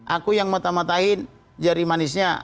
aku yang mata matahin jari manisnya